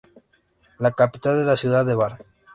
La capital es la ciudad de Bar.